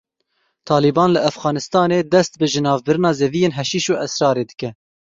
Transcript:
Taliban li Efxanistanê dest bi jinavbirina zeviyên heşîş û esrarê dike.